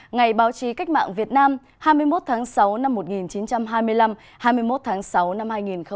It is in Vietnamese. ngày báo chí cách mạng việt nam hai mươi một tháng sáu năm một nghìn chín trăm hai mươi năm hai mươi một tháng sáu năm hai nghìn hai mươi